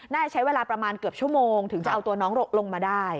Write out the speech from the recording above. ใช้เวลาประมาณเกือบชั่วโมงถึงจะเอาตัวน้องลงมาได้